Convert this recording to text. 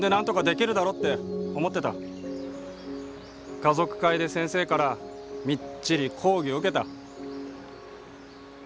家族会で先生からみっちり講義を受けた。